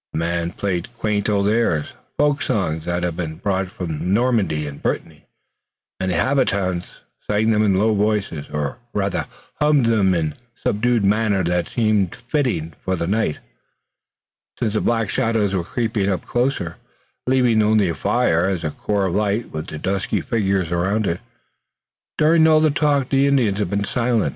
The man played quaint old airs, folk songs that had been brought from Normandy and Brittany, and the habitants sang them in low voices or rather hummed them in the subdued manner that seemed fitting to the night, since the black shadows were creeping up closer, leaving only the fire, as a core of light with the dusky figures around it. During all the talk the Indians had been silent.